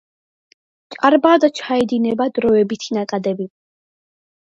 ჭარბად ჩაედინება დროებითი ნაკადები.